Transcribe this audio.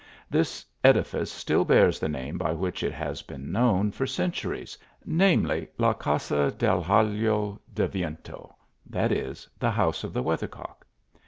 This edifice still bears the name by ^vhich it has been known for centuries, namely, la Casa del Gallo dc Viento ; that is, the House of the Weathercock.